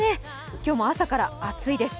今日も朝から暑いです。